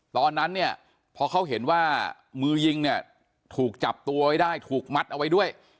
ตอนนั้นเนี่ยพอเขาเห็นว่ามือยิงเนี่ยถูกจับตัวไว้ได้ถูกมัดเอาไว้ด้วย